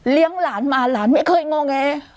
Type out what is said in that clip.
เลี้ยงหลานมาหลานไม่เคยงงแอ